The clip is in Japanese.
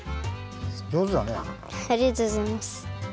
ありがとうございます。